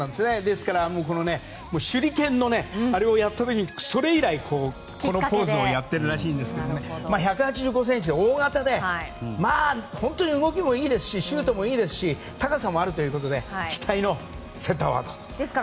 ですから、手裏剣のあれをやったうえにそれ以来、このポーズをやっているらしいんですけど１８５ｃｍで大型で本当に動きもいいしシュートも良くて高さもあるとうことで期待です。